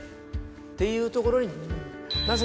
っていうところに。